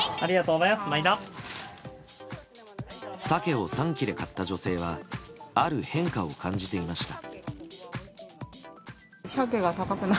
サケを３切れ買った女性はある変化を感じていました。